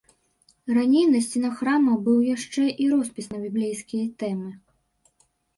Раней на сценах храма быў яшчэ і роспіс на біблейскія тэмы.